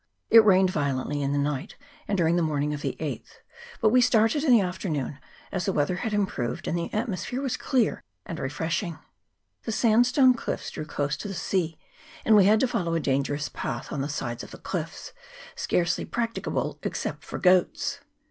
It rained violently in the night and during the morning of the 8th, but we started in the afternoon, as the weather had improved and the atmosphere was clear and refreshing. The sandstone cliffs drew close to the sea, and we had to follow a dangerous path on the sides of the cliffs, scarcely practicable except for goats.